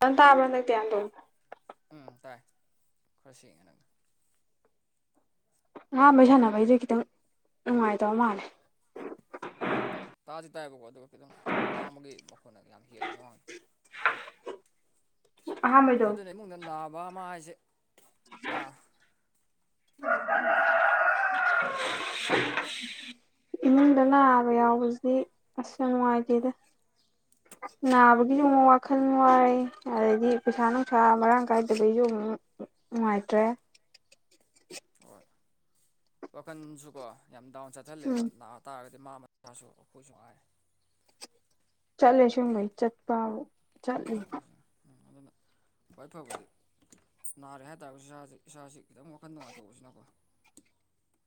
ꯐꯟ ꯇꯥꯕ꯭ꯔꯣ ꯍꯟꯗꯛꯇꯤ ꯑꯗꯣ ꯎꯝ ꯇꯥꯏ ꯈꯔ ꯁꯦꯡꯉꯦ ꯅꯪ ꯑꯍꯥꯥꯟꯕꯩ ꯁꯥꯟꯅꯕꯩꯗꯤ ꯈꯤꯇꯪ ꯅꯨꯡꯉꯥꯏꯇꯕ ꯃꯥꯜꯂꯦ ꯎꯝ ꯇꯥꯗꯤ ꯇꯥꯏꯕꯀꯣ ꯑꯗꯨꯒ ꯈꯤꯇꯪ ꯂꯥꯡꯕꯒꯤ ꯃꯈꯣꯟꯅ ꯌꯥꯝ ꯍꯦꯜꯂꯤ ꯃꯃꯥꯡ ꯑꯍꯥꯟꯕꯩꯗꯣ ꯑꯗꯨꯅꯦ ꯏꯃꯨꯡꯗ ꯅꯥꯕ ꯑꯃꯥ ꯍꯥꯏꯖꯦ ꯑꯥ [unintelligible] [unintelligible] ꯏꯃꯨꯡꯗ ꯅꯥꯕ ꯌꯥꯎꯕꯖꯤꯗꯤ ꯑꯁ ꯌꯥꯝ ꯅꯨꯡꯉꯥꯏꯇꯦꯗ [inaudible] ꯅꯥꯕꯒꯤꯖꯨ ꯑꯃꯨꯛ ꯋꯥꯈꯜ ꯋꯥꯏ ꯑꯗꯩꯗꯤ ꯄꯩꯁꯥ ꯅꯨꯡꯁꯥ ꯃꯔꯥꯡ ꯀꯥꯏꯗꯕꯩꯖꯨ ꯑꯃꯨꯛ ꯅꯨꯡꯉꯥꯏꯇ꯭ꯔꯦ ꯍꯣꯏ ꯋꯥꯈꯟꯖꯨꯀꯣ ꯌꯥꯝ ꯗꯥꯎꯟ ꯆꯠꯊꯜꯂꯦꯕ ꯎꯝ ꯅꯥ ꯇꯥꯔꯒꯗꯤ ꯃꯥ ꯃꯠ__ ꯏꯁꯥꯁꯨ ꯑꯈꯣꯏꯁꯨ ꯍꯥꯏ ꯆꯠꯂꯦ ꯑꯁꯦꯡꯕꯩ ꯆꯠꯄꯕꯨ ꯆꯠꯂꯤ ꯎꯝ ꯑꯗꯨꯅ ꯈ꯭ꯋꯥꯏ ꯐꯕꯗꯤ ꯅꯥꯔꯦ ꯍꯥꯏꯇꯥꯥꯔꯒꯖꯨ ꯏꯁꯥꯖꯦ ꯏꯁꯥꯁꯦ ꯈꯤꯇꯪ ꯋꯥꯈꯟ ꯅꯨꯡꯉꯥꯏꯊꯣꯛꯍꯧꯕꯖꯤꯅꯀꯣ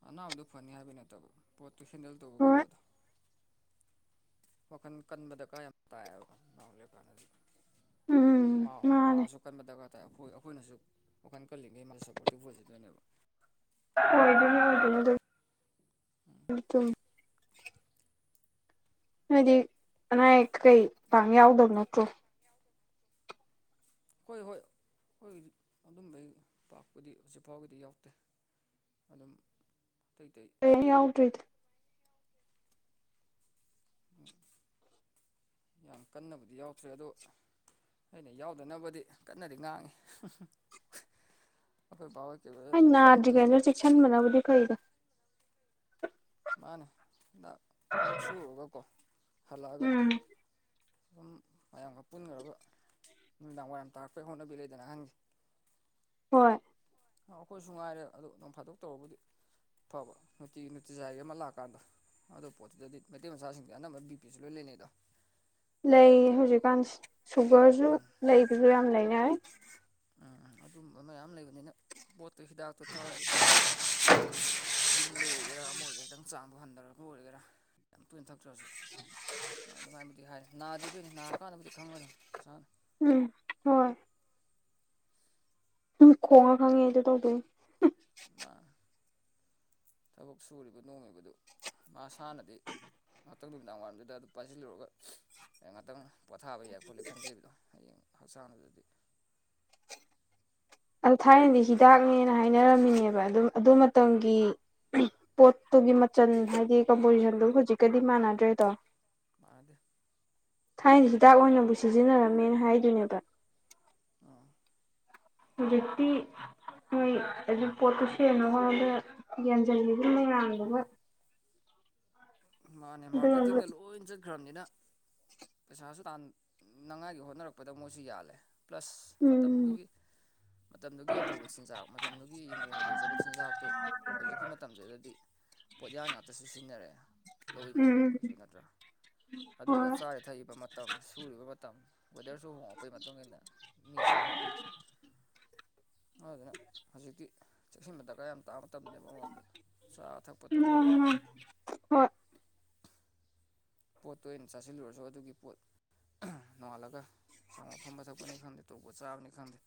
ꯑꯅꯥꯕꯗꯣ ꯐꯅꯤ ꯍꯥꯏꯕꯩ ꯅꯠꯇꯕ ꯄꯣꯠꯇꯨ ꯍꯦꯟꯗꯜ ꯇꯧꯕ ꯍꯣꯏ ꯉꯝꯕꯗꯣ ꯋꯥꯈꯟ ꯀꯟꯕ ꯗꯀꯥꯔ ꯌꯥꯝ ꯇꯥꯏꯕ ꯍꯧꯖꯤꯛꯀꯥꯟꯗꯗꯤ ꯎꯝ ꯃꯥꯎ ꯃꯥꯅꯦ ꯃꯥꯖꯨ ꯀꯟꯕ ꯗꯔꯀꯥꯔ ꯇꯥꯏ ꯑꯈꯣꯏ ꯑꯈꯣꯏꯅꯖꯨ ꯋꯥꯈꯟ ꯀꯜꯂꯤꯉꯩ ꯃꯣꯏꯁꯨ ꯁꯞꯄꯣꯔꯇꯤꯚ ꯑꯣꯏꯖꯗꯣꯏꯅꯦꯕ ꯑꯣꯏꯗꯣꯏꯅꯤ ꯑꯣꯏꯗꯣꯏꯅꯤ ꯑꯗꯨ ꯆꯨꯝ__ ꯅꯣꯏꯗꯤ ꯑꯅꯥ ꯑꯌꯦꯛ ꯈꯀꯩ ꯄꯥꯡ ꯌꯥꯎꯗꯕ ꯅꯠꯇ꯭ꯔꯣ ꯍꯣꯏ ꯍꯣꯏ ꯑꯈꯣꯏꯒꯤꯗꯤ ꯑꯗꯨꯝꯕꯩ ꯄꯥꯛꯄꯨꯗꯤ ꯍꯧꯖꯤꯛꯐꯥꯎꯒꯤꯗꯤ ꯌꯥꯎꯗꯦ ꯑꯗꯨꯝ ꯇꯩ ꯇꯩ ꯀꯩꯝ ꯌꯥꯥꯎꯗ꯭ꯔꯤꯗꯣ ꯎꯝ ꯌꯥꯝ ꯀꯟꯅꯕꯨꯗꯤ ꯌꯥꯎꯊ꯭ꯔꯤ ꯑꯗꯣ ꯑꯩꯅ ꯌꯥꯎꯗꯅꯕꯗꯤ ꯀꯟꯅꯗꯤ ꯉꯥꯡꯉꯤ ꯑꯈꯣꯏ ꯕꯥꯍꯣꯏ ꯀꯩꯑꯣꯏ ꯑꯗꯨ ꯄꯥꯟ ꯃꯣꯏꯁꯨ ꯁꯟꯕꯅꯕꯨꯗꯤ ꯐꯩꯗ ꯃꯥꯟꯅꯤ ꯗ ꯊꯕꯛ ꯁꯨꯔꯨꯔꯒꯀꯣ ꯍꯜꯂꯛꯑꯒ ꯎꯝ ꯗꯨꯝ ꯃꯌꯥꯝꯒ ꯄꯨꯟꯒ꯭ꯔꯒ ꯅꯨꯃꯤꯗꯥꯡ ꯋꯥꯏꯔꯝ ꯇꯥꯔꯛꯄꯩ ꯍꯧꯅꯕꯤ ꯂꯩꯗꯅꯥ ꯑꯍꯟꯒꯤ ꯍꯣꯏ ꯑꯈꯣꯏꯁꯨ ꯉꯥꯏꯔꯦ ꯑꯗꯣ ꯅꯣꯡ ꯐꯥꯗꯣꯛ ꯇꯧꯔꯕꯨꯗꯤ ꯐꯕ ꯅꯨꯡꯇꯤꯒꯤ ꯅꯨꯡꯇꯤꯖꯥꯏꯒꯤ ꯑꯃ ꯂꯥꯛꯑꯀꯥꯟꯗ ꯑꯗꯣ ꯄꯣꯠꯇꯨꯗꯗꯤ ꯃꯩꯇꯩ ꯃꯆꯥꯁꯤꯡꯖꯦ ꯑꯅꯝꯕ ꯕꯤ ꯄꯤꯖꯨ ꯂꯣꯏ ꯂꯩꯅꯩꯗꯣ ꯂꯩ ꯍꯧꯖꯤꯛꯀꯥꯟꯁꯦ ꯁꯨꯒꯔꯖꯨ ꯂꯩꯕꯖꯨ ꯌꯥꯝ ꯂꯩꯅꯔꯦ ꯑ ꯑꯥ ꯑꯗꯨꯝꯕ ꯃꯌꯥꯝ ꯂꯩꯕꯅꯤꯅ ꯄꯣꯠꯇꯨ ꯍꯤꯗꯥꯛꯇꯨ ꯊꯛꯑꯖꯨ ꯈꯤꯇꯪ ꯌꯨꯝꯗ ꯑꯣꯏꯒꯦꯔꯥ ꯑꯃ ꯑꯣꯏꯒꯦ ꯈꯤꯇꯪ ꯆꯥꯡꯗꯨ ꯍꯟꯗꯔꯒ ꯑꯣꯏꯒꯦꯔꯥ ꯌꯥꯝ ꯇꯣꯏꯅ ꯊꯛꯇ꯭ꯔꯖꯨ ꯑꯥ ꯑꯗꯨꯃꯥꯏꯕꯨꯗꯤ ꯍꯥꯏ ꯅꯥꯗ꯭ꯔꯤꯕꯩꯅꯤ ꯅꯥꯔꯛꯀꯥꯟꯗꯕꯨꯗꯤ ꯈꯪꯒꯗꯝ ꯃꯁꯥꯅ ꯎꯝ ꯍꯣꯏ ꯎꯝ ꯈꯣꯡꯉ ꯈꯪꯉꯦ ꯗꯨ ꯇꯧꯗꯣꯏꯅꯤ ꯃꯥ ꯊꯕꯛ ꯁꯨꯔꯤꯕ ꯅꯣꯡꯃꯤꯕꯗꯨ ꯃꯁꯥꯅꯗꯤ ꯉꯥꯛꯇꯪ ꯅꯨꯃꯤꯗꯥꯡꯋꯥꯏꯔꯝꯗꯨꯗ ꯑꯗꯨ ꯄꯥꯏꯖꯤꯜꯂꯨꯔꯒ ꯑꯦ ꯉꯥꯛꯇꯪ ꯄꯣꯊꯥꯕ ꯌꯥꯏ ꯈꯣꯠꯂꯦ ꯈꯟꯖꯩꯕꯗꯣ ꯍꯌꯦꯡ ꯍꯛꯆꯥꯡꯗꯨꯗꯤ ꯑꯧ ꯊꯥꯏꯅꯗꯤ ꯍꯤꯗꯥꯛꯅꯦꯅ ꯍꯥꯏꯅꯔꯝꯃꯤꯅꯦꯕ ꯑꯗꯨꯝ ꯑꯗꯨ ꯃꯇꯝꯒꯤ ꯄꯣꯠꯇꯨꯒꯤ ꯃꯆꯜ ꯍꯥꯏꯗꯤ ꯀꯝꯄꯣꯖꯤꯁꯟꯗꯨ ꯍꯧꯖꯤꯛꯀꯗꯤ ꯃꯥꯟꯅꯗ꯭ꯔꯦꯗꯣ ꯃꯥꯟꯅꯗꯦ ꯊꯥꯏꯅ ꯍꯤꯗꯥꯛ ꯑꯣꯏꯅꯕꯨ ꯁꯤꯖꯤꯟꯅꯔꯝꯃꯦꯅ ꯍꯥꯏꯗꯨꯅꯦꯕ ꯑꯥ ꯍꯧꯖꯤꯛꯇꯤ ꯅꯣꯏ ꯑꯗꯨ ꯄꯣꯠꯇꯨ ꯁꯦꯝꯅꯕ ꯍꯣꯠꯅꯕꯗ ꯌꯥꯟꯖꯟꯒꯤꯕ ꯃꯌꯥꯝꯗꯨꯒ ꯃꯥꯅꯦ ꯑꯗꯨꯒ ꯃꯥꯔꯀꯦꯇꯤꯡꯗ ꯂꯣꯏ ꯆꯠꯈ꯭ꯔꯝꯅꯤꯅ ꯄꯩꯁꯥꯁꯨ ꯇꯥꯟꯅꯉꯥꯏꯒꯤ ꯍꯣꯠꯅꯔꯛꯄꯗ ꯃꯣꯏꯁꯨ ꯌꯥꯜꯂꯦ ꯄ꯭ꯂꯁ ꯎꯝ ꯃꯇꯝꯗꯨꯒꯤ ꯃꯇꯝꯗꯨꯒꯤ ꯑꯐꯕ ꯆꯤꯟꯖꯥꯛ ꯃꯇꯝꯗꯨꯒꯤ ꯏꯪꯒꯣꯜ ꯀꯣꯏꯖꯕ ꯆꯤꯟꯖꯥꯛꯇꯨ ꯍꯧꯖꯤꯛꯀꯤ ꯃꯇꯝꯗꯨꯗꯗꯤ ꯄꯣꯠꯌꯥꯟ ꯉꯥꯛꯇꯁꯨ ꯁꯤꯖꯤꯟꯅꯔꯦ ꯂꯧ ꯏꯪꯒꯣꯟꯗꯪ ꯎꯝ ꯑꯣꯏꯔꯁꯨ ꯅꯠꯇ꯭ꯔꯥ ꯑꯗꯨꯒ ꯍꯣꯏ ꯆꯥꯔꯤ ꯊꯛꯏꯕ ꯃꯇꯝ ꯁꯨꯔꯤꯕ ꯃꯇꯝ ꯋꯦꯗꯔꯁꯨ ꯍꯣꯡꯉꯛꯄꯒꯤ ꯃꯇꯨꯡ ꯏꯟꯅ ꯃꯤꯁꯨ ꯍꯣꯡꯉꯦ ꯑꯗꯨꯗꯨꯅ ꯍꯧꯖꯤꯛꯇꯤ ꯆꯦꯛꯁꯤꯟꯕ ꯗꯀꯥꯔ ꯌꯥꯝ ꯇꯥꯕ ꯇꯝꯅꯦꯕ ꯃꯉꯝꯗ ꯆꯥ ꯊꯛꯄ ꯇꯧꯕꯗ ꯅꯣꯡꯃ ꯍꯣꯏ ꯄꯣꯠꯇꯣ ꯑꯩꯅ ꯆꯥꯁꯤꯜꯂꯨꯔꯁꯨ ꯑꯗꯨꯒꯤ ꯄꯣꯠ ꯑꯥ ꯅꯣꯉꯥꯜꯂꯒ ꯁꯪꯒꯣꯝ ꯑꯐꯝꯕ ꯊꯛꯄꯅꯤ ꯈꯪꯗꯦ ꯇꯣꯔꯣꯕꯣꯠ ꯆꯥꯕꯅꯤ ꯈꯪꯗꯦ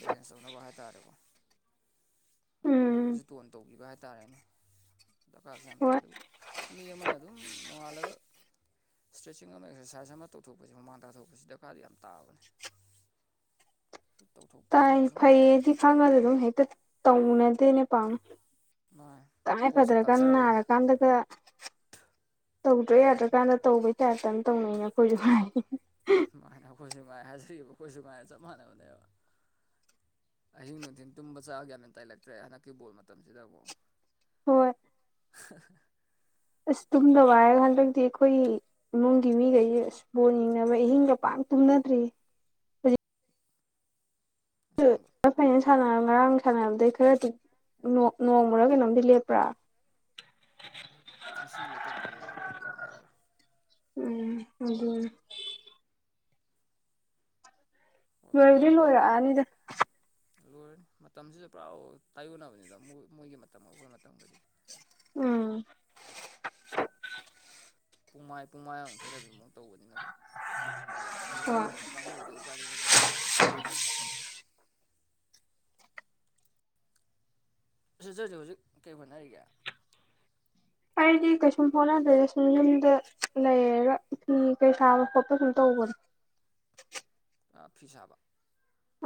ꯕꯦꯂꯦꯟꯁ ꯇꯧꯅꯕ ꯍꯥꯏꯇꯥꯔꯦꯀꯣ ꯑꯗꯨꯃꯥꯏꯅ ꯎꯝ ꯈꯖꯤꯛ ꯇꯣꯟ ꯇꯧꯕꯤꯕ ꯍꯥꯏꯇꯥꯔꯦꯅꯦ ꯗꯔꯀꯥꯔꯁꯦ ꯌꯥꯝ ꯇꯥꯏ ꯍꯣꯏ ꯑꯗꯨ ꯃꯤ ꯑꯃꯅ ꯑꯗꯨꯝ ꯅꯣꯡꯉꯥꯜꯂꯒ ꯁꯇ꯭ꯔꯦꯠꯆꯤꯡ ꯑꯃ ꯑꯦꯛꯁꯔꯁꯥꯏꯁ ꯑꯃ ꯇꯧꯊꯣꯛꯄꯁꯤ ꯍꯨꯃꯥꯡ ꯇꯥꯊꯣꯛꯄꯁꯤ ꯗꯔꯀꯥꯔꯗꯤ ꯌꯥꯝ ꯇꯥꯕꯅꯤ ꯇꯧꯊꯣꯛꯄ ꯇꯥꯏ ꯑꯩꯈꯣꯏꯅ ꯁꯨꯝ ꯐꯩꯌꯦ ꯗꯤ ꯈꯪꯉꯁꯨ ꯑꯗꯨꯝ ꯍꯦꯛꯇ ꯇꯧꯅꯗꯦꯅꯦ ꯄꯥꯛꯅ ꯃꯉꯥꯏ ꯇꯉꯥꯏ ꯄꯣꯠꯁꯤ ꯐꯗ꯭ꯔꯀꯥꯟ ꯀꯜꯆꯔ ꯑꯣꯏꯅ ꯅꯥꯔꯀꯥꯟꯗꯒ ꯇꯧꯗ꯭ꯔꯥ ꯌꯥꯗ꯭ꯔꯀꯥꯟꯗ ꯇꯧꯕꯩ ꯇꯥꯏꯞꯇ ꯇꯧꯅꯩꯩꯅꯦ ꯑꯩꯈꯣꯏꯁꯨ ꯉꯥꯏꯔꯦ ꯃꯥꯅꯦ ꯑꯈꯣꯏꯁꯨ ꯉꯥꯏ ꯍꯥꯏꯖꯔꯤꯕ ꯑꯈꯣꯏꯁꯨ ꯉꯥꯏꯔ ꯆꯞ ꯃꯥꯟꯅꯕꯅꯦꯕ ꯑꯍꯤꯡ ꯅꯨꯡꯊꯤꯟ ꯇꯨꯝꯕ ꯆꯥꯛ ꯒ꯭ꯌꯥꯟꯃꯦꯟ ꯇꯥꯖꯤꯜꯂꯛꯇ꯭ꯔꯦ ꯍꯟꯗꯛꯀꯤ ꯕꯣꯜ ꯃꯇꯝꯁꯤꯗ ꯑꯃꯨꯛ ꯍꯣꯏ [unintelligible] ꯑꯁ ꯇꯨꯝꯗꯕ ꯍꯥꯏꯔ ꯍꯟꯗꯛꯇꯤ ꯑꯩꯈꯣꯏ ꯏꯃꯨꯡꯒꯤ ꯃꯤꯒꯩꯁꯦ ꯑꯁ ꯕꯣꯜ ꯌꯦꯡꯅꯕ ꯑꯍꯤꯡꯒ ꯄꯥꯛ ꯇꯨꯝꯅꯗ꯭ꯔꯦ ꯑꯁꯦꯡꯕ [unintelligible] ꯁꯥꯟꯅꯔ ꯉꯔꯥꯡ ꯁꯥꯟꯅꯕꯗꯩ ꯈꯔꯗꯤ ꯅꯣ ꯅꯣꯡꯃꯔꯥ ꯀꯩꯅꯣꯝꯗꯤ ꯂꯦꯞꯄ꯭ꯔꯥ ꯉꯁꯤ ꯂꯦꯄꯝꯗꯧ ꯃꯥꯜꯂꯦ ꯍꯌꯦꯡ ꯂꯩꯕ꯭ꯔꯥ ꯎꯝ ꯑꯗꯨꯅꯦ ꯍꯣꯏ ꯂꯣꯏꯕꯨꯗꯤ ꯑꯗꯨꯃꯥꯏꯟ ꯇꯧꯔꯒ ꯂꯣꯏꯔꯛꯑꯅꯤꯗ ꯂꯣꯏꯔꯅꯤ ꯃꯇꯝꯁꯤꯁꯨ ꯄꯨꯔꯥ ꯇꯥꯏꯌꯣꯟꯅꯕꯅꯤꯗ ꯃꯣ ꯃꯣꯏꯒꯤ ꯃꯇꯝ ꯑꯈꯣꯏ ꯃꯇꯝꯒꯗꯤ ꯎꯝ ꯄꯨꯡꯃꯥꯏ ꯄꯨꯡꯃꯥꯏ ꯑꯃ ꯈꯦꯠꯅꯕꯩ ꯑꯃꯨ ꯃꯨꯛ ꯇꯧꯕꯅꯤꯅꯀꯣ ꯎꯄꯥꯏ ꯂꯩꯇꯕ ꯌꯦꯡꯗꯤ ꯍꯣꯏ ꯌꯦꯡꯅꯤꯡꯕ ꯀꯥꯥꯡꯉꯨꯗꯗꯤ ꯎꯄꯥꯥꯏ ꯂꯩꯖꯄꯣꯠꯇꯦꯗ ꯑꯈꯣꯏꯁꯨꯅꯤ ꯁꯤꯁꯇꯔꯖꯦ ꯍꯧꯖꯤꯛ ꯀꯩ ꯍꯣꯠꯅꯔꯤꯒꯦ ꯑꯩꯗꯤ ꯀꯩꯁꯨꯝ ꯍꯣꯠꯅꯗ꯭ꯔꯦꯗ ꯁꯨꯝ ꯌꯨꯝꯗ ꯂꯩꯔꯒ ꯐꯤ ꯀꯩ ꯁꯥꯕ ꯈꯣꯠꯄ ꯁꯨꯝ ꯇꯧꯕꯅꯦ ꯑꯥ ꯐꯤ ꯁꯥꯕ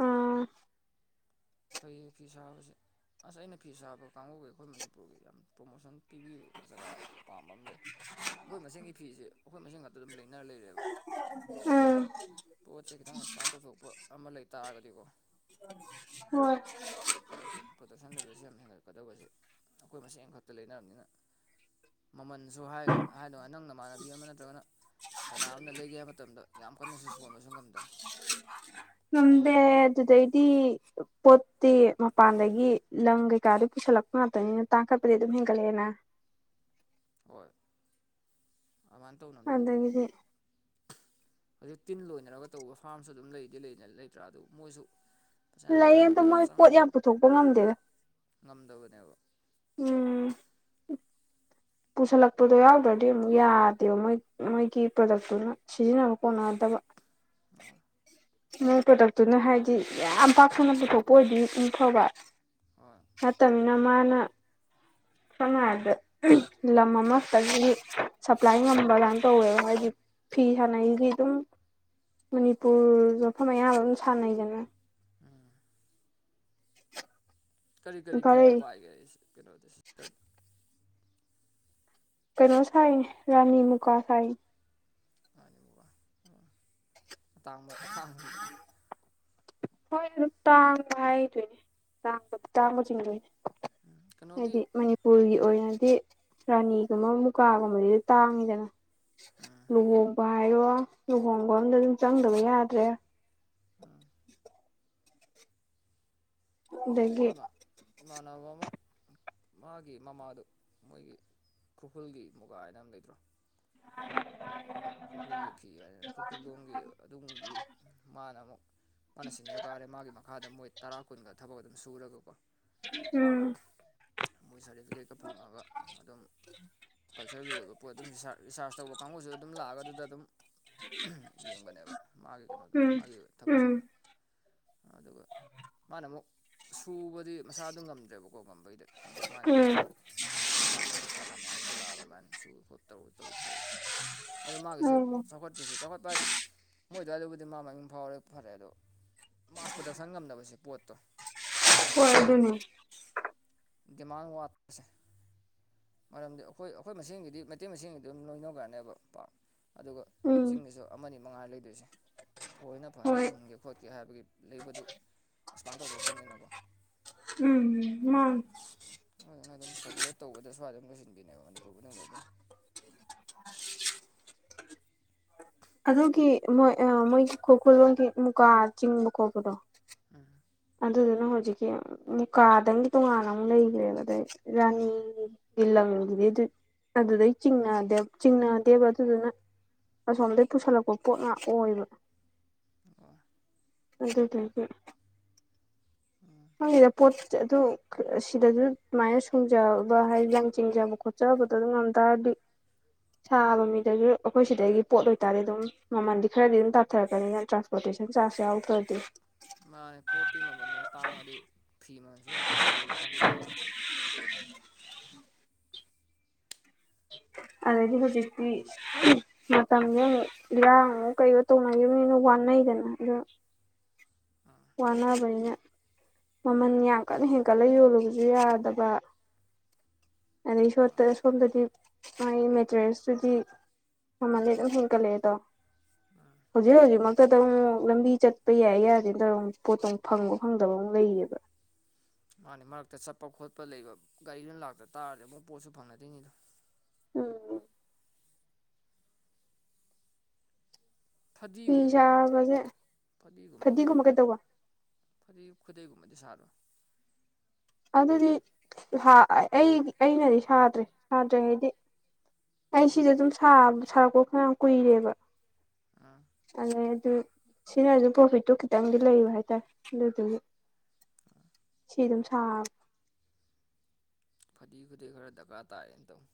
ꯑꯥ ꯐꯩꯌꯦ ꯐꯤ ꯁꯥꯕꯁꯦ ꯑꯁ ꯑꯩꯅ ꯐꯤ ꯁꯥꯕ ꯀꯥꯡꯕꯨꯒꯤ ꯑꯈꯣꯏ ꯃꯅꯤꯄꯨꯔꯒꯤ ꯌꯥꯝ ꯄ꯭ꯔꯣꯃꯣꯁꯟ ꯄꯤꯕꯤꯕ ꯖꯒꯥ ꯄꯥꯝꯕ ꯑꯃ ꯂꯩ ꯑꯈꯣꯏ ꯃꯁꯦꯟꯒꯤ ꯐꯤꯁꯦ ꯑꯈꯣꯏ ꯃꯁꯦꯟ ꯉꯥꯛꯇ ꯑꯗꯨꯝ ꯂꯩꯅꯔꯥ ꯂꯩꯔꯦꯕ ꯎꯝ ꯄꯣꯠꯁꯦ ꯈꯤꯇꯪ ꯑꯦꯛꯁꯄꯥꯟ ꯇꯧꯊꯣꯛꯄ ꯑꯃ ꯂꯩꯇꯥꯥꯔꯒꯗꯤꯀꯣ ꯍꫭꯏ ꯄ꯭ꯔꯗꯛꯇꯣ ꯄ꯭ꯔꯗꯛꯁꯟ ꯂꯦꯕꯦꯜꯁꯦ ꯌꯥꯝ ꯍꯦꯟꯒꯠꯀꯗꯧꯕꯁꯦ ꯑꯩꯈꯣꯏ ꯃꯁꯦꯟ ꯈꯛꯇ ꯂꯩꯅꯔꯕꯅꯤꯅ ꯃꯃꯜꯖꯨ ꯍꯥꯏ ꯍꯥꯏꯗꯅ ꯅꯪ ꯅꯃꯥꯟꯅꯕꯤ ꯑꯃ ꯅꯠꯇ꯭ꯔꯒꯅ ꯀꯅꯥꯝꯅ ꯂꯩꯒꯦ ꯍꯥꯏꯕ ꯃꯇꯝꯗ ꯌꯥꯝ ꯀꯟꯅꯁꯨ ꯁꯣꯟꯕꯁꯨ ꯉꯝꯗ ꯉꯝꯗꯦ ꯑꯗꯨꯗꯩꯗꯤ ꯄꯣꯠꯇꯤ ꯃꯄꯥꯟꯗꯒꯤ ꯂꯪ ꯀꯩꯀꯥꯗꯨ ꯄꯨꯁꯜꯂꯛꯄ ꯉꯥꯛꯇꯅꯤꯅ ꯇꯥꯡꯈꯠꯄꯗꯤ ꯑꯗꯨꯝ ꯍꯦꯟꯒꯠꯂꯛꯑꯦꯅ ꯍꯣꯏ ꯑꯗꯨꯃꯥꯏꯅ ꯇꯧꯅꯕꯅꯤꯅ ꯑꯗꯒꯤꯗꯤ ꯍꯧꯖꯤꯛ ꯇꯤꯟ ꯂꯣꯏꯅꯔꯒ ꯇꯧꯕ ꯐꯥꯝꯁꯨ ꯑꯗꯨꯝ ꯂꯩꯗꯤ ꯂꯩ ꯂꯩꯇ꯭ꯔꯥ ꯑꯗꯨ ꯃꯣꯏꯁꯨ ꯄꯩꯁꯥ ꯌꯥꯝ ꯂꯩꯌꯦ ꯊꯥꯗꯕ ꯑꯗꯣ ꯃꯇꯝ ꯌꯥꯝ ꯃꯣꯏ ꯄꯣꯠ ꯆꯪꯕꯅꯤ ꯄꯨꯊꯣꯛꯄ ꯉꯝꯗꯦꯗ ꯉꯝꯗꯕꯅꯦꯕ ꯎꯝ ꯄꯨꯁꯜꯂꯛꯄꯗꯣ ꯌꯥꯎꯗ꯭ꯔꯗꯤ ꯑꯃꯨꯛ ꯌꯥꯗꯦꯕ ꯃꯣꯏ ꯃꯣꯏꯒꯤ ꯄ꯭ꯔꯗꯛꯇꯨꯅ ꯁꯤꯖꯤꯟꯅꯕ ꯀꯣꯟꯅꯥꯗꯕ [unintelligible] ꯅꯣꯏ ꯄ꯭ꯔꯗꯛꯇꯨꯅ ꯍꯥꯏꯗꯤ ꯌꯥꯝ ꯄꯥꯛ ꯁꯟꯅ ꯄꯨꯊꯣꯛꯄ ꯑꯣꯏꯗꯤ ꯑꯃꯨꯛ ꯐꯕ ꯍꯣꯏ ꯅꯠꯇꯃꯤꯅ ꯃꯥꯅ ꯁꯝꯅ ꯍꯥꯏꯔꯕꯗ ꯂꯝ ꯑꯃꯛꯈꯇꯒꯤ ꯁꯄ꯭ꯂꯥꯏ ꯉꯝꯕ ꯑꯗꯥꯏꯅ ꯇꯧꯋꯦ ꯃꫭꯏꯒꯤ ꯐꯤ ꯁꯥꯟꯅꯩꯗꯤ ꯑꯗꯨꯝ ꯃꯅꯤꯄꯨꯔ ꯃꯐꯝ ꯑꯌꯥꯝꯕ ꯑꯗꯨꯝ ꯁꯥꯟꯅꯩꯗꯅ ꯎꯝ ꯀꯔꯤ ꯀꯔꯤ ꯐꯤꯅ ꯏꯝꯐꯥꯜꯩ ꯄꯥꯏꯒꯦ ꯀꯩꯅꯣꯗꯤ‌ ꯁꯤꯁꯇꯔ ꯀꯩꯅꯣ ꯁꯥꯏꯅꯦ ꯔꯥꯅꯤ ꯃꯨꯀꯥ ꯁꯥꯏꯅꯦ ꯔꯥꯅꯤ ꯃꯨꯒꯥ ꯑꯇꯥꯡꯕ ꯑꯇꯥꯡꯕꯅꯤꯅꯦ ꯍꯣꯏ ꯑꯗꯨꯝ ꯇꯥꯡꯕ ꯍꯥꯏꯗꯣꯏꯅꯦ ꯇꯥꯡꯕ ꯇꯥꯡꯕ ꯆꯤꯡꯗꯣꯏꯅꯦ ꯀꯩꯅꯣꯒꯤ ꯍꯥꯏꯗꯤ ꯃꯅꯤ ꯄꯨꯔꯒꯤ ꯑꯣꯏꯅꯗꯤ ꯔꯥꯅꯤꯒꯨꯝꯕ ꯃꯨꯀꯥꯒꯨꯝꯕꯗꯤ ꯇꯥꯡꯉꯤꯗꯅ ꯂꯨꯍꯣꯡꯕ ꯍꯥꯏꯔꯣ ꯂꯨꯍꯣꯡꯕ ꯑꯝꯗꯖꯨ ꯆꯪꯗꯕ ꯌꯥꯗ꯭ꯔꯦ [unintelligible] [unintelligible] ꯑꯗꯒꯤ ꯏꯃꯥꯟꯅꯕ ꯑꯃ ꯃꯥꯒꯤ ꯃꯃꯥꯗꯣ ꯃꯣꯏꯒꯤ ꯈꯨ꯭ꯔꯈꯨꯜꯒꯤ ꯃꯨꯒꯥ ꯍꯥꯏꯅ ꯑꯃ ꯂꯩꯇ꯭ꯔꯣ [unintelligible] ꯈꯨꯔꯈꯨꯜꯒꯤ ꯐꯤ ꯍꯥꯏꯗꯅ ꯈꯨꯔꯈꯨꯜ ꯂꯣꯝꯒꯤ ꯑꯗꯨꯝꯒꯤ ꯃꯥꯅ ꯑꯃꯨꯛ ꯃꯥꯅ ꯁꯤꯅꯤꯌꯔ ꯀꯥꯔꯦ ꯃꯥꯒꯤ ꯃꯈꯥꯗ ꯃꯣꯏ ꯇꯔꯥ ꯀꯨꯟꯒ ꯊꯕꯛ ꯑꯗꯨꯝ ꯁꯨꯔꯒꯀꯣ ꯎꯝ ꯃꯣꯏ [unintelligible] [unintelligible] ꯐꯪꯉꯒ ꯑꯗꯨꯝ ꯀꯜꯆꯔꯒꯤ ꯑꯣꯏꯕ ꯄꯣꯠ ꯑꯗꯨꯝ ꯔꯤꯁ ꯔꯤꯁꯥꯔꯁ ꯇꯧꯕ ꯀꯥꯡꯕꯨꯖꯨ ꯑꯗꯨꯝ ꯂꯥꯛꯑꯒ ꯑꯗꯨꯗ ꯑꯗꯨꯝ ꯌꯦꯡꯕꯅꯦꯕ ꯃꯥꯒꯤ ꯀꯩꯅꯣꯗꯣ ꯎꯝ ꯃꯥꯒꯤ ꯎꯝ ꯊꯕꯛꯁꯤꯡꯗꯣ ꯑꯗꯨꯒ ꯃꯥꯅ ꯑꯃꯨꯛ ꯁꯨꯕꯗꯤ ꯃꯁꯥꯗꯨ ꯉꯝꯗ꯭ꯔꯦꯕꯀꯣ ꯉꯝꯕꯩꯗꯤ ꯑꯗꯨ ꯃꯥꯏ ꯃꯈꯥꯗ ꯎꯝ ꯑꯣꯖꯥ ꯍꯥꯏꯗꯤ ꯁꯥꯇ꯭ꯔ ꯃꯌꯥꯝꯕꯨꯗꯤ ꯂꯥꯛꯑꯒ ꯂꯥꯛꯑ ꯁꯨꯨ ꯈꯣ ꯇꯧꯔꯤ ꯇꯩ ꯇꯧꯔꯤ ꯑꯗꯨ ꯃꯥꯒꯤꯁꯨ ꯎꯝ ꯆꯥꯎꯈꯠꯇ꯭ꯔꯤꯁꯤ ꯆꯥꯎꯈꯠꯄ ꯍꯥꯏꯗꯤ ꯃꯣꯏ ꯑꯗ꯭ꯋꯥꯏꯗꯕꯨꯗꯤ ꯃꯥ ꯃꯃꯤꯡ ꯐꯥꯎꯔꯦ ꯐꯔꯦ ꯑꯗꯣ ꯃꯥꯁ ꯄ꯭ꯔꯗꯛꯁꯟ ꯉꯝꯗꯕꯁꯦ ꯄꯣꯠꯇꯣ ꯍꯣꯏ ꯑꯗꯨꯅꯦ ꯗꯤꯃꯥꯟ ꯋꯥꯠꯄꯁꯦ ꯃꯔꯝꯗꯤ ꯑꯩꯈꯣꯏ ꯑꯩꯈꯣꯏ ꯃꯁꯦꯟꯒꯤꯗꯤ ꯃꯩꯇꯩ ꯃꯁꯦꯡꯒꯤꯗꯤ ꯑꯗꯨꯝ ꯂꯣꯏꯅꯈ꯭ꯔꯅꯦꯕ ꯄꯥꯞ ꯑꯗꯨꯒ ꯎꯝ ꯆꯤꯡꯗꯁꯨ ꯑꯃꯅꯤ ꯃꯉꯥ ꯂꯩꯗꯣꯏꯁꯦ ꯊꯣꯏꯅ ꯐꯖꯅ ꯍꯣꯏ ꯏꯟꯒꯦ ꯈꯣꯠꯀꯦ ꯍꯥꯏꯕꯒꯤ ꯂꯩꯕꯗꯨ ꯑꯦꯁꯄꯥꯟ ꯇꯧꯊꯣꯛꯇꯕꯅꯤꯅꯀꯣ ꯎꯝ ꯃꯥꯅꯦ ꯑꯗꯨꯗꯨꯅ ꯑꯗꯨꯝ ꯁꯔꯀꯨꯂꯦꯠ ꯇꯧꯕꯗ ꯁ꯭ꯋꯥꯏꯗ ꯑꯗꯨꯝ ꯂꯣꯏꯁꯤꯟꯕꯤꯅꯦꯕ ꯃꯅꯤꯄꯨꯔ ꯃꯅꯨꯡꯗ ꯑꯗꯨꯝ ꯑꯗꯨꯒꯤ ꯃꯣꯏ ꯑꯥ ꯃꯣꯏꯒꯤ ꯈꯨꯈꯨꯜꯂꯣꯒꯤ ꯃꯨꯒꯥꯥ ꯆꯤꯡꯕ ꯈꯣꯠꯄꯗꯣ ꯎꯝ ꯑꯗꯨꯗꯨꯅ ꯍꯧꯖꯤꯛꯀꯤ ꯃꯨꯀꯥꯗꯪꯒꯤ ꯇꯣꯉꯥꯟꯅ ꯑꯃꯨꯛ ꯂꯩꯒ꯭ꯔꯦꯕ ꯑꯗꯩ ꯔꯥꯅꯤ ꯒꯤ ꯂꯪꯒꯤꯗꯩꯗꯨꯠ ꯑꯗꯨꯗꯩ ꯆꯤꯡꯅꯗꯦ ꯆꯤꯡꯅꯗꯦꯕ ꯑꯗꯨꯗꯨꯅ ꯑꯁꯣꯝꯗꯪ ꯄꯨꯁꯜꯂꯛꯄ ꯄꯣꯠ ꯉꯥꯛ ꯑꯣꯏꯕ ꯑꯣ ꯑꯗꯨꯗꯨꯒꯤ ꯎꯝ ꯈꯪꯗꯦꯗ ꯄꯣꯠ ꯑꯗꯨ ꯁꯤꯗꯖꯨ ꯑꯃꯥꯏꯅ ꯁꯨꯡꯖꯕ ꯍꯥꯏ ꯂꯪ ꯆꯤꯡꯖꯕ ꯈꯣꯠ ꯆꯥꯕꯗꯣ ꯑꯗꯨ ꯉꯝ ꯇꯥꯔꯗꯤ ꯁꯥꯕ ꯃꯤꯗꯖꯨ ꯑꯩꯈꯣꯏ ꯁꯤꯗꯒꯤ ꯄꯣꯠ ꯑꯣꯏꯇ꯭ꯔꯥꯗꯤ ꯗꯨꯝ ꯃꯃꯟꯗꯤ ꯈꯔꯗꯤ ꯑꯗꯨꯝ ꯇꯥꯊꯔꯛꯀꯅꯤ ꯅꯠꯇ꯭ꯔꯥ ꯔꯣꯇꯦꯁꯟ ꯆ꯭ꯥꯔꯁ ꯌꯥꯎꯗ꯭ꯔꯗꯤ ꯃꯥꯅꯦ ꯄꯣꯠꯇꯤ ꯃꯃꯟꯗꯨꯅ ꯇꯥꯡꯉꯗꯤ ꯐꯤ ꯃꯟꯖꯨ ꯗꯨꯝ ꯇꯥꯡ ꯌꯣꯜꯂꯀꯥꯟ ꯎꯄꯥꯏ ꯂꯩꯇꯦ ꯑꯗꯩꯗꯤ ꯍꯧꯖꯤꯛꯇꯤ ꯃꯇꯝꯖꯦꯃꯨꯛ ꯏꯔꯥꯡ ꯃꯨꯛ ꯀꯩꯌꯣ ꯇꯧꯅꯒꯤꯞꯅꯤꯅ ꯋꯥꯅꯩꯗꯅ ꯑꯗꯨ ꯑꯥ ꯋꯥꯅꯕꯅꯤꯅ ꯃꯃꯟ ꯌꯥꯝ ꯀꯟꯅ ꯍꯦꯟꯀꯠꯂ ꯌꯣꯜꯂꯨꯕꯖꯨ ꯌꯥꯗꯕ ꯑꯗꯩ ꯁꯣꯠꯇ ꯃꯥꯅꯦ ꯁꯣꯝꯗꯗꯤ ꯃꯥꯒꯤ ꯃꯦꯇꯔꯦꯁꯇꯨꯗꯤ ꯃꯃꯟꯗꯤ ꯗꯨꯝ ꯍꯦꯟꯒꯠꯂꯛꯑꯦꯗꯣ ꯑꯥ ꯍꯧꯖꯤꯛ ꯍꯧꯖꯤꯛꯃꯛꯇꯗ ꯃꯨꯛ ꯂꯝꯕꯤ ꯆꯠꯄ ꯌꯥꯏ ꯌꯥꯗꯦ ꯇꯧꯔꯝ ꯄꯣꯠꯇꯣ ꯐꯪꯕ ꯐꯪꯗꯕ ꯑꯃꯛ ꯂꯩꯏꯅꯦꯕ ꯃꯥꯅꯦ ꯃꯔꯛꯇ ꯆꯠꯄ ꯈꯣꯠꯄ ꯂꯩꯒꯞ ꯒꯥꯔꯤꯅ ꯂꯥꯛꯇ ꯇ꯭ꯥꯔꯗꯤ ꯑꯃꯨ ꯄꯣꯠꯁꯨ ꯐꯪꯅꯗꯨꯏꯅꯤꯗꯣ ꯎꯝ ꯐꯤ ꯐꯗꯤꯒꯨꯝꯕ ꯁꯥꯕꯁꯦ ꯐꯗꯤꯒꯨꯝꯕ ꯈꯨꯠ ꯐꯗꯤ ꯈꯨꯗꯩꯒꯨꯝꯕꯗꯤ ꯁꯥꯕ꯭ꯔ ꯑꯗꯨꯗꯤ ꯍꯥ ꯑꯩ ꯑꯩꯅꯗꯤ ꯁꯥꯗ꯭ꯔꯤ ꯁꯥꯗ꯭ꯔꯤ ꯍꯥꯏꯗꯤ ꯑꯩ ꯎꯝ ꯁꯤꯖꯦ ꯑꯗꯨꯝ ꯁꯥ ꯁꯥꯔꯛꯄ ꯐꯅꯥꯌꯥꯝ ꯀꯨꯏꯔꯦꯕ ꯑꯥ ꯑꯗꯩ ꯑꯗꯨ ꯁꯤꯅꯖꯨ ꯄ꯭ꯔꯣꯐꯤꯠꯇꯨ ꯈꯤꯇꯪꯗꯤ ꯂꯩꯕ ꯍꯥꯏꯇꯥꯔꯦ ꯑꯗꯨꯗꯨꯒꯤ [inaudible] ꯁꯤ ꯗꯨꯝ ꯐꯗꯤ ꯈꯨꯗꯩ ꯈꯔ ꯗ꯭ꯔꯀꯥ ꯇꯥꯌꯦꯅ ꯇꯧꯅꯤ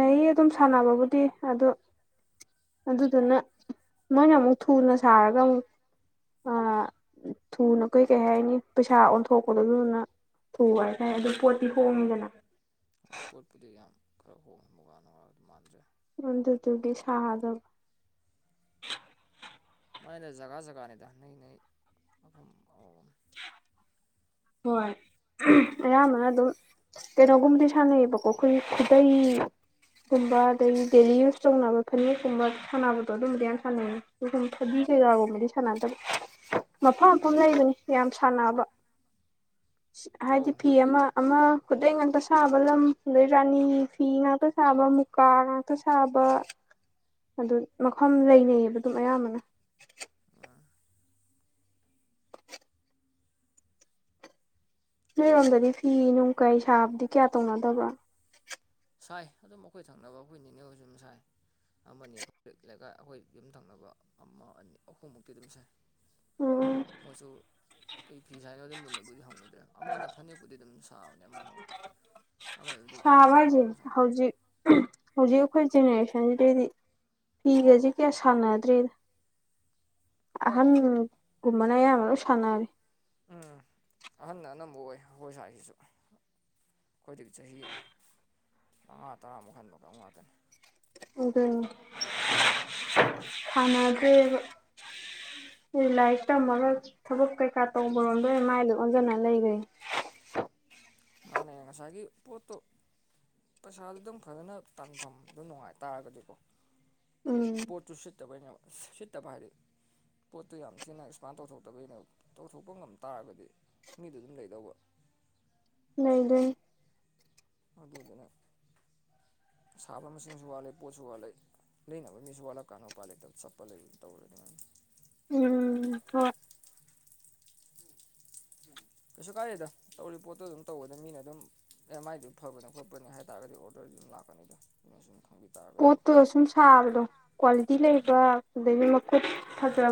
ꯂꯩ ꯑꯗꯨꯝ ꯁꯥꯟꯅꯕꯕꯨꯗꯤ ꯑꯗꯨ ꯑꯗꯨꯗꯨꯅ ꯃꯣꯏꯅ ꯃꯨꯛ ꯊꯨꯅ ꯁꯥꯔꯒ ꯑꯃꯨꯛ ꯑ ꯊꯨꯅ ꯀꯩ ꯀꯩ ꯍꯥꯏꯅꯤ ꯄꯩꯁꯥ ꯑꯣꯟꯊꯣꯛꯄꯗꯣ ꯑꯗꯨꯗꯨꯅ ꯊꯨꯕ ꯍꯥꯏꯇꯥꯔꯦ ꯑꯗꯣ ꯄꯣꯠꯇꯤ ꯍꯣꯡꯉꯤꯗꯅ ꯄꯣꯠꯄꯨꯗꯤ ꯌꯥꯝ ꯈꯔ ꯍꯣꯡꯉ ꯃꯨꯉ ꯅꯨꯡꯉꯥ ꯑꯗꯨ ꯃꯥꯟꯗ꯭ꯔꯦ ꯑꯗꯨꯗꯨꯒꯤ ꯁꯗꯕ ꯃꯥꯥꯏꯅ ꯖꯒꯥ ꯖꯒꯥꯅꯤꯗ ꯅꯣꯏ ꯅꯣꯏ ꯃꯐꯝ ꯑꯥ ꯍꯣꯏ ꯑꯌꯥꯝꯕꯅ ꯑꯗꯨꯝ ꯀꯩꯅꯣꯒꯨꯝꯕꯗꯤ ꯁꯥꯟꯅꯩꯌꯦꯕꯀꯣ ꯈꯣꯏ ꯈꯨꯗꯩ ꯒꯨꯝꯕ ꯑꯗꯒꯤ ꯗꯦꯂꯤ ꯌꯨꯁ ꯇꯧꯅꯕ ꯐꯅꯦꯛꯀꯨꯝꯕ ꯁꯥꯟꯅꯕꯗꯣ ꯑꯗꯨꯝꯕꯗꯤ ꯌꯥꯝ ꯁꯥꯟꯅꯩꯌꯦ ꯎꯝ ꯐꯥꯗꯤ ꯀꯩꯀꯥꯒꯨꯝꯕꯗꯤ ꯁꯥꯟꯅꯗꯕ ꯃꯐꯝ ꯃꯐꯝ ꯂꯩꯕꯅꯦ ꯁꯥꯟꯅꯕ ꯑꯧ ꯍꯥꯏꯗꯤ ꯐꯤ ꯍꯣꯏ ꯀꯩ ꯑꯃꯥ ꯑꯃꯥ ꯈꯨꯗꯩ ꯉꯥꯛꯇ ꯁꯥꯕ ꯂꯝ ꯑꯗꯩ ꯔꯥꯅꯤ ꯐꯤ ꯉꯥꯛꯇ ꯁꯥꯕ ꯃꯨꯀꯥ ꯉꯥꯛ ꯇꯥ ꯁꯥꯕ ꯑꯗꯨꯝ ꯃꯐꯝ ꯂꯩꯅꯩꯌꯦꯕ ꯑꯗꯨꯝ ꯑꯌꯥꯝꯕꯅ ꯑꯥ ꯃꯥꯅꯤ ꯅꯣꯏꯔꯣꯝꯗꯗꯤ ꯐꯤ ꯅꯨꯡ ꯀꯩ ꯁꯥꯕꯗꯤ ꯀꯌꯥ ꯇꯧꯅꯗꯕ꯭ꯔꯣ ꯁꯥꯏ ꯑꯗꯨꯝ ꯑꯩꯈꯣꯏ ꯊꯪꯅꯕ ꯑꯩꯈꯣꯏ ꯅꯤꯅꯦ ꯍꯣꯏꯖꯨ ꯎꯝ ꯁꯥꯏ ꯑꯃꯥꯅꯤ ꯑꯩꯈꯣꯏ ꯂꯩꯀꯥꯏ ꯑꯩꯈꯣꯏ ꯌꯨꯝ ꯊꯪꯅꯕ ꯑꯃꯥ ꯑꯅꯤ ꯑꯍꯨꯝꯃꯨꯛꯇꯤ ꯑꯗꯨꯝ ꯁꯥꯏ ꯎꯝ ꯃꯣꯏꯁꯨ ꯀꯣꯏ ꯐꯤ ꯁꯥꯏꯅꫭꯗꯤ ꯃꯨꯟꯅꯕꯨꯗꯤ ꯍꯪꯉꯨꯗ꯭ꯔꯦ꯫ ꯑꯃꯅ ꯐꯅꯦꯛꯄꯨꯗꯤ ꯑꯗꯨꯝ ꯁꯥꯕꯅꯦ ꯑꯃꯅ ꯑꯃꯨꯛ ꯑꯃꯗꯨꯗꯤ ꯃꯨꯒꯥꯒꯨꯝꯕ ꯑꯉꯥꯡꯁꯤꯡꯁꯦ ꯁꯥꯕꯅꯦ ꯍꯧꯖꯤꯛ ꯍꯧꯖꯤꯛ ꯑꯩꯈꯣꯏ ꯖꯦꯅꯦꯔꯦꯁꯟꯁꯤꯗꯩꯗꯤ ꯐꯤꯒꯁꯤ ꯀꯌꯥ ꯁꯥꯟꯅꯗ꯭ꯔꯦꯅꯦ [inaudible] ꯑꯍꯥꯟ ꯒꯨꯝꯕꯅ ꯑꯌꯥꯝꯕ ꯂꯣꯏ ꯁꯥꯟꯅꯔꯦ ꯎꯝ ꯑꯍꯥꯟꯅ ꯑꯅꯝꯕ ꯑꯣꯏ ꯑꯩꯈꯣꯏ ꯁ꯭ꯋꯥꯏꯁꯤꯁꯨ ꯑꯩꯈꯣꯏꯗꯒꯤ ꯆꯍꯤ ꯃꯉꯥ ꯇꯔꯥꯃꯨꯛ ꯍꯟꯕ ꯀꯥꯡꯒꯨ ꯉꯥꯛꯇꯅꯤ ꯑꯗꯨꯅꯤ ꯁꯥꯟꯅꯗ꯭ꯔꯦꯕ ꯑꯩ ꯂꯥꯏꯔꯤꯛ ꯇꯝꯃꯒ ꯊꯕꯛ ꯀꯩꯀꯥ ꯇꯣꯡꯕꯔꯣꯝꯗ ꯑꯣꯏꯅ ꯃꯥꯏ ꯂꯣꯏ ꯑꯣꯟꯖꯟꯅ ꯂꯩꯈ꯭ꯔꯦ꯫ ꯃꯥꯅꯦ ꯉꯁꯥꯏꯒꯤ ꯄꯣꯠꯇꯣ ꯄꯩꯁꯥꯗꯨꯗꯪ ꯐꯖꯅ ꯇꯥꯟꯐꯝꯗꯣ ꯅꯨꯡꯉꯥꯏꯇꯥꯥꯔꯒꯗꯤꯀꯣ ꯎꯝ꯫ ꯄꯣꯠꯇꯨ ꯁꯤꯠꯇꯕꯩꯅꯦꯕ ꯁꯤꯠꯇꯕ ꯍꯥꯏꯗꯤ ꯄꯣꯠꯇꯨ ꯌꯥꯝ ꯊꯤꯅ ꯑꯦꯛꯁꯄꯥꯟ ꯇꯧꯊꯣꯛꯇꯕꯒꯤꯅꯦꯕ ꯇꯧꯊꯣꯛꯄ ꯉꯝ ꯇꯥꯔꯒꯗꯤ ꯃꯤꯗꯨ ꯑꯗꯨꯝ ꯂꯩꯗꯧꯕ ꯂꯩꯗꯣꯏꯅꯤ ꯑꯗꯨꯗꯨꯅ ꯁꯥꯕ ꯃꯁꯤꯡꯁꯨ ꯋꯥꯠꯂꯦ ꯄꯣꯠꯁꯨ ꯋꯥꯠꯂꯦ ꯂꯩꯅꯕ ꯃꯤꯁꯨ ꯋꯥꯂꯛ ꯀꯥꯟꯅ ꯎꯄꯥꯏ ꯂꯩꯇꯕ ꯆꯞꯄ ꯂꯩ ꯇꯧꯔꯦꯅꯦ ꯫ ꯎꯝ ꯍꯣꯏ ꯎꯝ꯫ ꯀꯩꯁꯨ ꯀꯥꯏꯗꯦꯗ ꯇꯧꯔꯤ ꯄꯣꯠꯇꯣ ꯑꯗꯨꯝ ꯇꯧꯕꯗ ꯃꯤꯅ ꯑꯗꯨꯝ ꯑꯦ ꯃꯥꯏꯗꯨ ꯐꯕꯅꯦ ꯈꯣꯠꯄꯅꯦ ꯍꯥꯏꯇꯥꯔꯒꯗꯤ ꯑꯣꯔꯗꯔꯗꯤ ꯑꯗꯨꯝ ꯂꯥꯛꯄ ꯄꯥꯅꯤꯗ ꯆꯨꯝꯅ ꯁꯨꯝ ꯈꯪꯕꯤ ꯇꯥꯔ ꯄꯣꯠꯇꯣ ꯁꯨꯝ ꯁꯥꯕꯗꯣ ꯀ꯭ꯋꯥꯂꯤꯇꯤ ꯂꯩꯕ ꯑꯗꯥꯒꯤ ꯃꯈꯨꯠ ꯐꯖꯕ